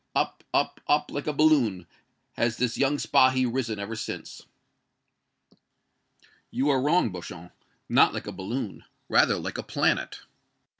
Up up up, like a balloon, has this young Spahi risen ever since." "You are wrong, Beauchamp. Not like a balloon. Rather like a planet.